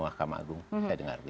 wakam agung saya dengar